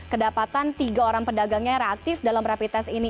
kedapatan tiga orang pedagangnya yang reaktif dalam rapid test ini